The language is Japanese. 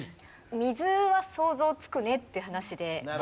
水は想像つくねって話で。